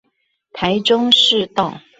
台中市道